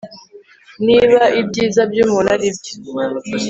Niba ibyiza byumuntu aribyo